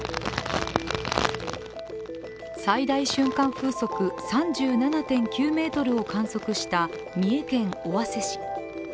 最大瞬間風速３７．９メートルを観測した三重県尾鷲市。